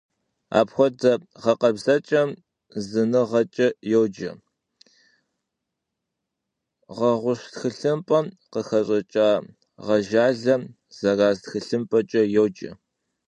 Апхуэдэ гъэкъэбзэкӀэм зыныгъэкӀэ йоджэ, гъэгъущ тхылъымпӀэм къыхэщӀыкӀа гъэжалъэм — зэраз тхылъымпӀэкӀэ йоджэ.